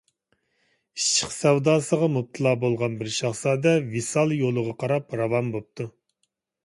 ئىشق سەۋداسىغا مۇپتىلا بولغان بىر شاھزادە ۋىسال يولىغا قاراپ راۋان بوپتۇ.